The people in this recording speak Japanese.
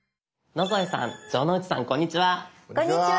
野添さん城之内さんこんにちは。